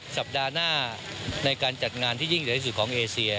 สัปดาห์หน้าในการจัดงานที่ยิ่งใหญ่ที่สุดของเอเซีย